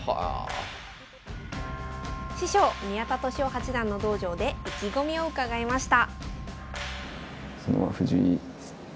師匠宮田利男八段の道場で意気込みを伺いました。